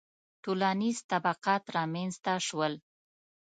• ټولنیز طبقات رامنځته شول